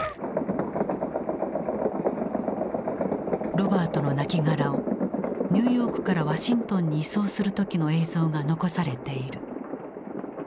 ロバートのなきがらをニューヨークからワシントンに移送する時の映像が残されている。